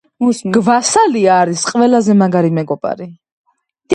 გვასალია არის ყველაზე მაგარი მეგობარი.